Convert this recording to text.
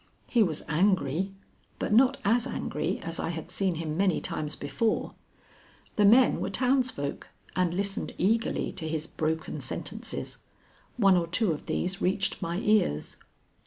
He was angry, but not as angry as I had seen him many times before. The men were townsfolk and listened eagerly to his broken sentences. One or two of these reached my ears.